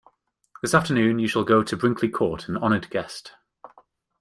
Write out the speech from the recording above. This afternoon you shall go to Brinkley Court, an honoured guest.